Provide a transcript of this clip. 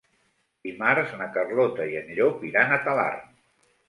Dimarts na Carlota i en Llop iran a Talarn.